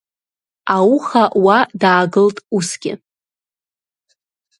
Ауха уа даагылт усгьы.